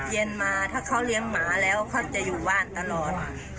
เย็นมาถ้าเขาเลี้ยงหมาแล้วเขาจะอยู่บ้านตลอด